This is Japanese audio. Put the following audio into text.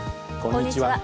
こんにちは。